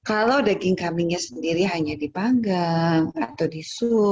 hai kalau daging kambingnya sendiri hanya memasaknya dengan banyak minyak atau menggunakan